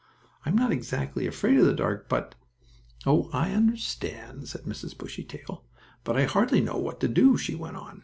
I'm not exactly afraid of the dark, but " "Oh! I understand," said Mamma Bushytail. "But I hardly know what to do," she went on.